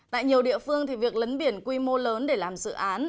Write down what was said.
tại nhiều địa phương việc lấn biển quy mô lớn để làm dự án